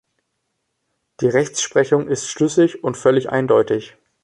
Die Rechtsprechung ist schlüssig und völlig eindeutig.